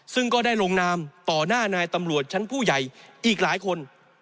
ซึ่งก็ได้ลงนามต่อหน้านายตำรวจชั้นผู้ใหญ่อีกหลายคน